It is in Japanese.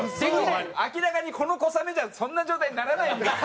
明らかにこの小雨じゃそんな状態にならないのに。